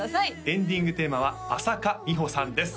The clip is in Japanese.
エンディングテーマは朝花美穂さんです